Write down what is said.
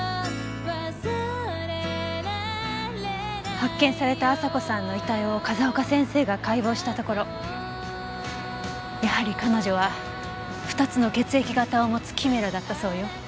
発見された亜沙子さんの遺体を風丘先生が解剖したところやはり彼女は２つの血液型を持つキメラだったそうよ。